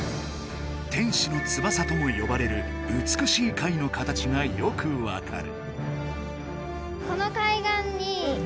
「天使の翼」ともよばれるうつくしい貝の形がよく分かる。